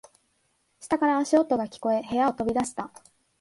下から足音が聞こえ、部屋を飛び出した。